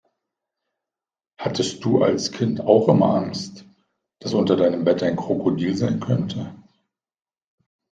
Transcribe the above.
Hattest du als Kind auch immer Angst, dass unter deinem Bett ein Krokodil sein könnte?